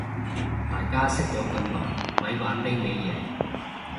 大家識咗咁耐咪玩呢味嘢